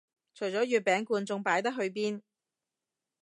除咗月餅罐仲擺得去邊